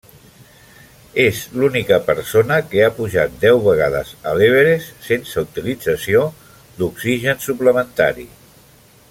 És l'única persona que ha pujat deu vegades a l'Everest sense utilització d'oxigen suplementari.